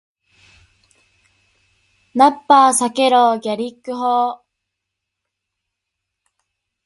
ナッパ避けろー！ギャリック砲ー！